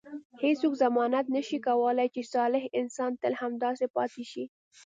هیڅوک ضمانت نه شي کولای چې صالح انسان تل همداسې پاتې شي.